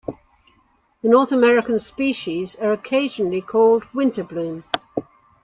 The North American species are occasionally called winterbloom.